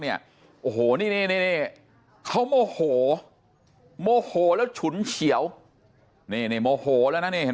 เนี่ยโอ้โหนี่นี่เขาโมโหโมโหแล้วฉุนเฉียวนี่นี่โมโหแล้วนะนี่เห็น